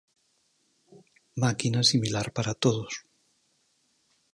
Máquina similar para todos.